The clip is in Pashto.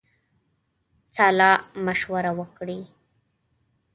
سالامشوره وکړي.